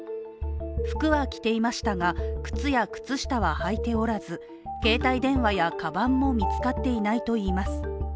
服は着ていましたが、靴や靴下ははいておらず、携帯電話やかばんも見つかっていないといいます。